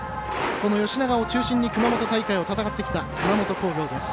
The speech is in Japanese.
この吉永を中心に熊本大会を戦ってきた熊本工業です。